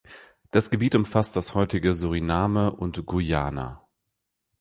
Das Gebiet umfasste das heutige Suriname und Guyana.